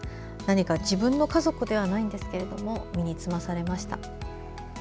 自分の家族ではないんですが身につまされました。